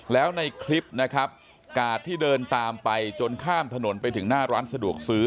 แล้วในคลิปนะครับกาดที่เดินตามไปจนข้ามถนนไปถึงหน้าร้านสะดวกซื้อ